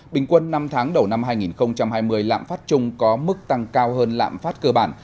bình quân năm tháng đầu năm hai nghìn hai mươi lạm phát chung có mức tăng cao hơn lạm phát cơ bản